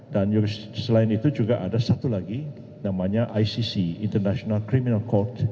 dan selain itu juga ada satu lagi namanya icc international criminal court